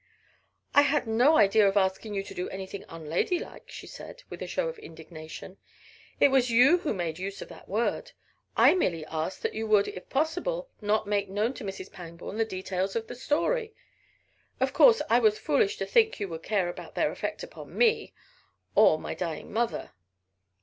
"I had no idea of asking you to do anything unlady like," she said with a show of indignation. "It was you who made use of that word. I merely asked that you would, if possible, not make known to Mrs. Pangborn the details of the story. Of course I was foolish to think you would care about their effect upon me, or my dying mother."